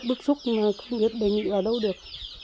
bức xúc mà không biết đề nghị vào đâu được